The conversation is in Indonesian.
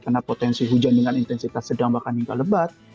karena potensi hujan dengan intensitas sedang bahkan hingga lebat